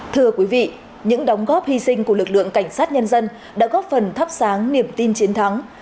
thưa quý vị những đóng góp hy sinh của lực lượng cảnh sát nhân dân đã góp phần thắp sáng niềm tin chiến thắng